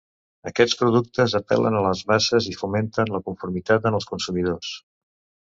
Aquests productes apel·len a les masses i fomenten la conformitat en els consumidors.